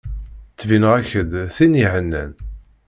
Ttbineɣ-ak-d d tin ihennan?